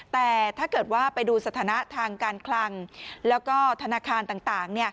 แต่ถ้าเกิดว่าไปดูสถานะทางการคลังแล้วก็ธนาคารต่าง